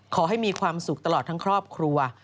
ขอให้มีความสุขตลอดทั้งครอบครัว